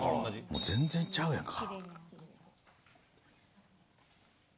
もう全然ちゃうやんか。